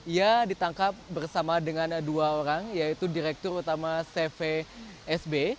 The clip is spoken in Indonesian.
ia ditangkap bersama dengan dua orang yaitu direktur utama cvsb